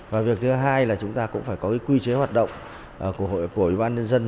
và việc thứ hai là chúng ta cũng phải có quy chế hoạt động của ủy ban nhân dân